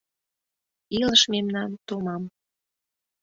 Илыш мемнан томам...